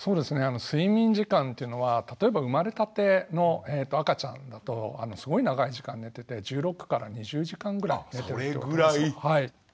睡眠時間というのは例えば生まれたての赤ちゃんだとすごい長い時間寝てて１６２０時間ぐらい寝てると。